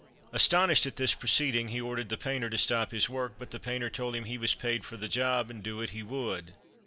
Astonished at this proceeding, he ordered the painter to stop his work, but the painter told him he was paid for the job, and do it he would.